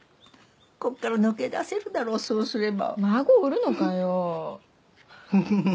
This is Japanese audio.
こっから抜け出せるだろそうすれば孫売るのかよふふふ